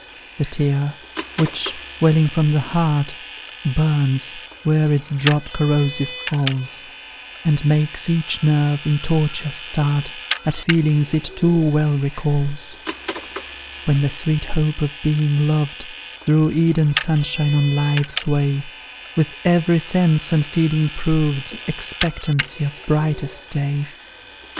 "The tear which, welling from the heart, Burns where its drop corrosive falls, And makes each nerve, in torture, start, At feelings it too well recalls: "When the sweet hope of being loved Threw Eden sunshine on life's way: When every sense and feeling proved Expectancy of brightest day.